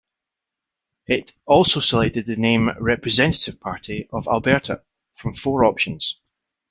It also selected the name Representative Party of Alberta from four options.